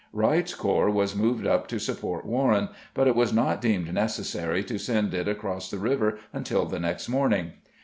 Wright's corps was moved up to support Warren, but it was not deemed necessary to send it across the river until the next morning.